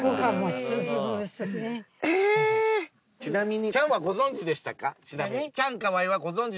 ちなみに。